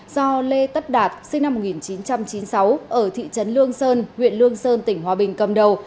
do lê tất đạt sinh năm một nghìn chín trăm chín mươi sáu ở thị trấn lương sơn huyện lương sơn tỉnh hòa bình cầm đầu